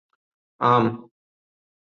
ആം